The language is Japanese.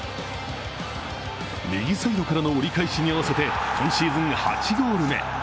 右サイドからの折り返しに合わせて今シーズン８ゴール目。